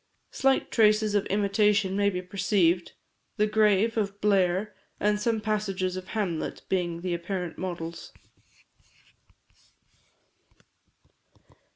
Slight traces of imitation may be perceived; "The Grave" of Blair, and some passages of "Hamlet," being the apparent models.